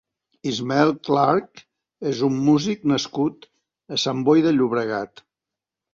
Ismael Clark és un músic nascut a Sant Boi de Llobregat.